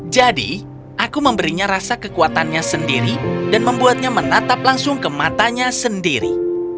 jadi aku memberinya rasa kekuatannya sendiri dan membuatnya menatap langsung ke matanya sendiri